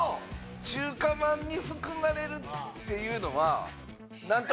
中華まんに含まれるっていうのは。